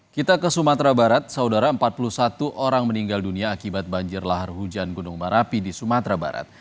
kita ke sumatera barat saudara empat puluh satu orang meninggal dunia akibat banjir lahar hujan gunung merapi di sumatera barat